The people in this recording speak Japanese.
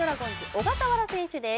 小笠原選手です